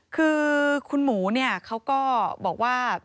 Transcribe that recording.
คือคุณหมูเนี่ยเขาก็บอกว่า